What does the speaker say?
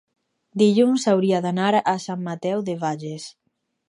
dilluns hauria d'anar a Sant Mateu de Bages.